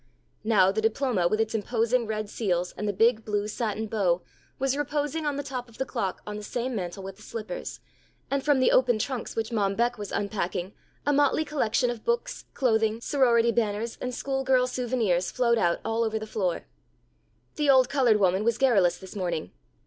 Now the diploma with its imposing red seals and big blue satin bow, was reposing on top of the clock on the same mantel with the slippers, and from the open trunks which Mom Beck was unpacking, a motley collection of books, clothing, sorority banners and school girl souvenirs flowed out all over the floor. The old coloured woman was garrulous this morning.